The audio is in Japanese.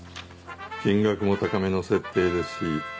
金額も高めの設定ですし。